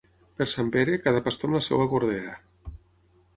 Per Sant Pere, cada pastor amb la seva cordera.